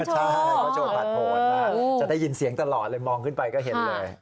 ใช่เขาโชว์ผ่านผลมาจะได้ยินเสียงตลอดเลยมองขึ้นไปก็เห็นเลย